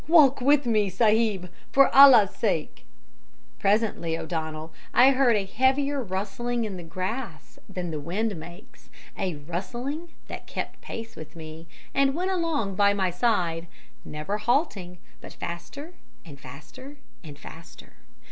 Walk with me, sahib, for Allah's sake.' "Presently, O'Donnell, I heard a heavier rustling in the grass than the wind makes; a rustling that kept pace with me and went along by my side, never halting, but faster and faster, and faster.